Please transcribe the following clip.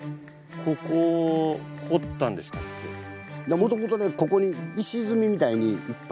もともとここに石積みみたいにいっぱい。